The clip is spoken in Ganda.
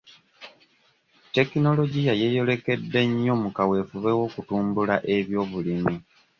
Tekinologiya yeeyolekedde nnyo mu kaweefube w'okutumbula eby'obulimi.